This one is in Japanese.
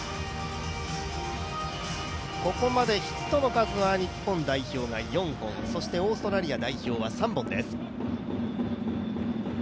ここまでヒットの数は、日本代表が４本、そしてオーストラリア代表が３本です。